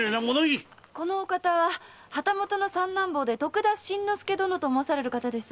このお方は旗本の三男坊で徳田新之助殿と申される方です。